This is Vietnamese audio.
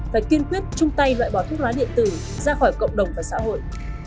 phải kiên quyết chung tay loại bỏ thuốc lá điện tử ra khỏi cộng đồng và xã hội